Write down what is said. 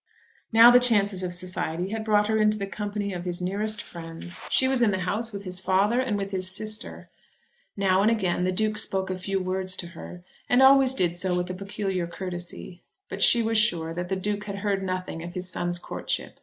Now the chances of society had brought her into the company of his nearest friends. She was in the house with his father and with his sister. Now and again the Duke spoke a few words to her, and always did so with a peculiar courtesy. But she was sure that the Duke had heard nothing of his son's courtship.